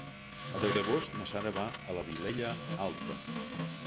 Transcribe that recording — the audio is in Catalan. El deu d'agost na Sara va a la Vilella Alta.